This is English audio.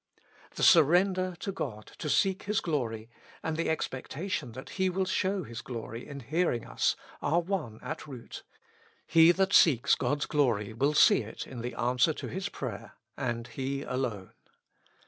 The surrender to God to seek His glory, and the expectation that He will show His glory in hear ing us, are one at root: He that seeks God's glory will see it in the answer to his prayer, and he alone.